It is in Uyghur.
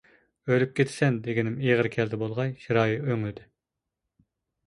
«ئۆلۈپ كېتىسەن» دېگىنىم ئېغىر كەلدى بولغاي، چىرايى ئۆڭدى.